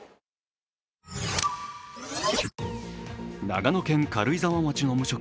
長野県軽井沢町の無職